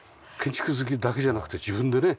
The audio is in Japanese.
建築好きだけじゃなくて自分でね。